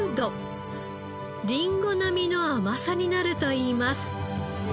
リンゴ並みの甘さになるといいます。